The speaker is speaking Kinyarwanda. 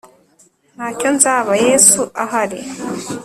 ntacyo nzaba yesu ahari